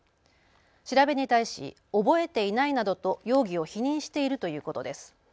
調べに対し覚えていないなどと容疑を否認しているということです。